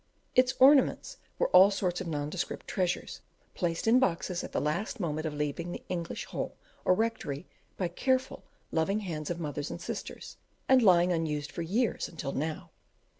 Its ornaments were all sorts of nondescript treasures, placed in boxes at the last moment of leaving the English hall or rectory by careful loving hands of mothers and sisters, and lying unused for years until now.